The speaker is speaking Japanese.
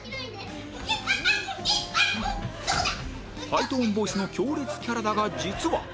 ハイトーンボイスの強烈キャラだが実は